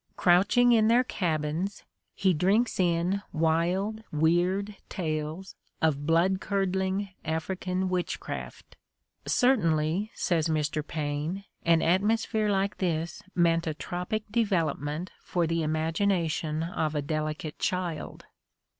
Crouching in their cabins, he drinks in wild, weird tales of blood curdling African witchcraft. "Certainly," says Mr. Paine, "an atmosphere like this meant a tropic development for the imagination of a delicate child."